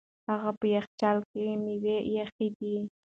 هغه په یخچال کې مېوې ایښې دي.